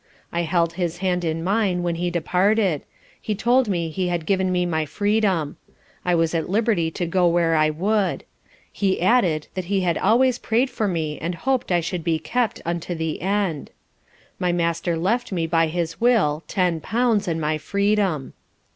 I held his hand in mine when he departed; he told me he had given me my freedom. I was at liberty to go where I would. He added that he had always pray'd for me and hop'd I should be kept unto the end. My master left me by his will ten pounds, and my freedom.